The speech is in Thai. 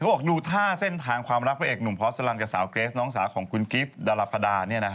บอกดูท่าเส้นทางความรักพระเอกหนุ่มพอสลังกับสาวเกรสน้องสาวของคุณกิฟต์ดารพดา